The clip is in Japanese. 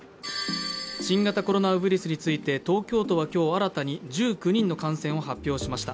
新型コロナウイルスについて東京都は今日、新たに１９人の感染を発表しました。